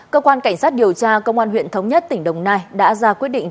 cơ quan cảnh sát điều tra công an huyện thống nhất tỉnh đồng nai đã ra quyết định